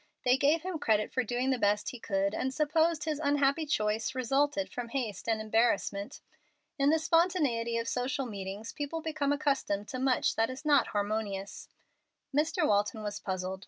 They gave him credit for doing the best he could, and supposed his unhappy choice resulted from haste and embarrassment. In the spontaneity of social meetings people become accustomed to much that is not harmonious. Mr. Walton was puzzled.